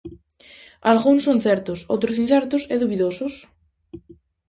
Algúns son certos, outros incertos e dubidosos.